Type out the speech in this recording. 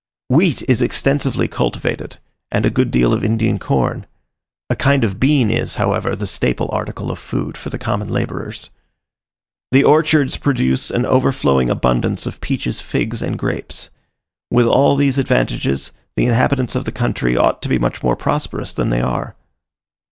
Wheat is extensively cultivated, and a good deal of Indian corn: a kind of bean is, however, the staple article of food for the common labourers. The orchards produce an overflowing abundance of peaches figs, and grapes. With all these advantages, the inhabitants of the country ought to be much more prosperous than they are.